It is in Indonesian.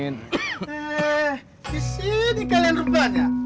disini kalian rupanya